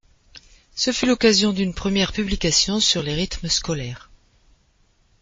Ce fut l’occasion d’une première publication sur les rythmes scolaires.